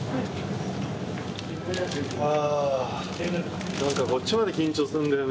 あぁ何かこっちまで緊張すんだよね